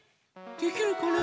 できるかな？